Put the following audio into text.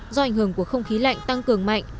do ảnh hưởng của không khí lạnh tăng cường mạnh